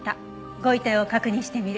ご遺体を確認してみる。